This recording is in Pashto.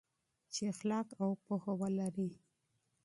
چې اخلاق او پوهه ولري.